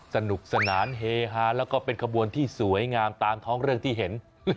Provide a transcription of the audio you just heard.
สนุกสนานเฮฮาแล้วก็เป็นขบวนที่สวยงามตามท้องเรื่องที่เห็น